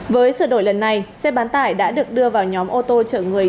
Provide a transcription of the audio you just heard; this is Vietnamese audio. với sự đổi lần này xe bán tải đã được đưa vào nhóm ô tô chở người